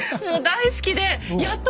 もう大好きで！